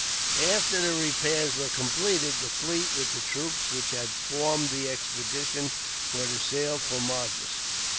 After the repairs were completed, the fleet, with the troops which had formed the expedition, were to sail for Madras.